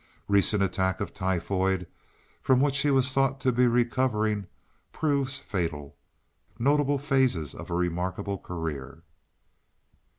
Recent attack of typhoid, from which he was thought to be recovering, proves fatal. Notable phases of a remarkable career.